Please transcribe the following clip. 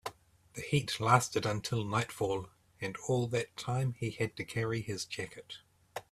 The heat lasted until nightfall, and all that time he had to carry his jacket.